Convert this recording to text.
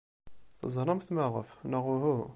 Teẓramt maɣef, neɣ uhu?